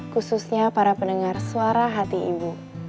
khususnya para pendengar suara hati ibu